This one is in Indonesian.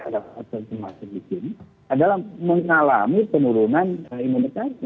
di sini adalah mengalami penurunan imunitas